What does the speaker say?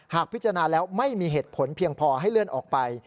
พิจารณาแล้วไม่มีเหตุผลเพียงพอให้เลื่อนออกไป